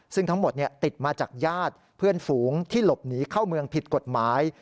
ซึ่งทั้งหมดติดมาจากญาติเพื่อนฝูงที่หลบหนีเข้าเมืองผิดกฎหมาย